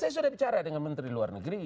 saya sudah bicara dengan menteri luar negeri